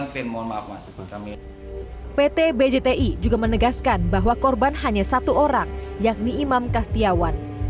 pt bjti juga menegaskan bahwa korban hanya satu orang yakni imam kastiawan